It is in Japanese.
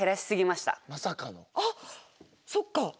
あっそっか。